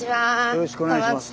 よろしくお願いします。